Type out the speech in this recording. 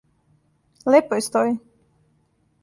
Лепо јој стоји.